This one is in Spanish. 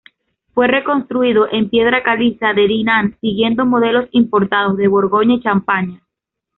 Fue reconstruido en piedra caliza de Dinant siguiendo modelos importados de Borgoña y Champaña.